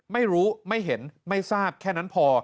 ไม่รู้ไม่เห็นไม่ทราบแค่นั้นพอ